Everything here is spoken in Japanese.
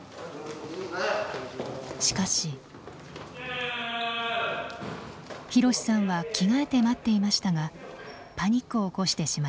ひろしさんは着替えて待っていましたがパニックを起こしてしまいました。